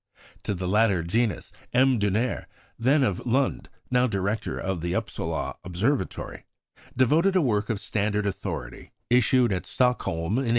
To the latter genus, M. Dunér, then of Lund, now Director of the Upsala Observatory, devoted a work of standard authority, issued at Stockholm in 1884.